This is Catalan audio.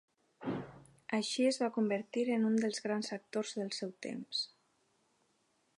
Així es va convertir en un dels grans actors del seu temps.